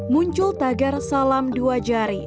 muncul tagar salam dua jari